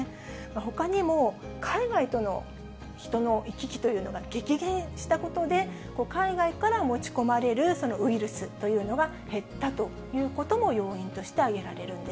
ほかにも、海外との人の行き来というのが激減したことで、海外から持ち込まれるウイルスというのが減ったということも要因